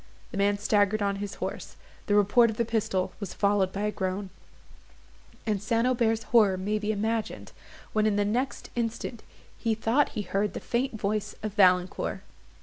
The man staggered on his horse, the report of the pistol was followed by a groan, and St. Aubert's horror may be imagined, when in the next instant he thought he heard the faint voice of Valancourt.